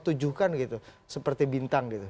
tujuh kan gitu seperti bintang gitu